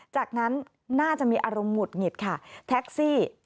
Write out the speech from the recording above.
จากนั้นน่าจะมีอารมณ์หุดหงิดค่ะแท็กซี่